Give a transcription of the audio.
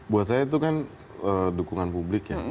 buat saya itu kan dukungan publik ya